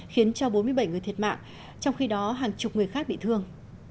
khiến cho bốn mươi bảy người thiệt mạng trong khi đó hàng chục người khác bị thương